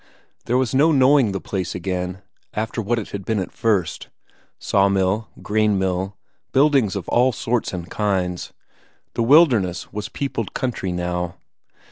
There was no knowing the place again, after what it had been at first: sawmill, cornmill, buildings of all sorts and kinds the wilderness was peopled country now.